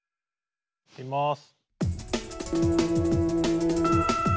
いきます。